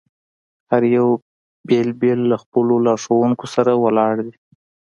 هر یو بېل بېل له خپلو لارښوونکو سره ولاړ دي.